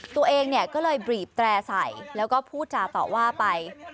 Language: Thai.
ตัวเองเนี่ยก็เลยบีบแตร่ใส่แล้วก็พูดจาต่อว่าไป